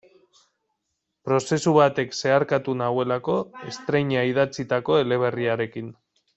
Prozesu batek zeharkatu nauelako estreina idatzitako eleberriarekin.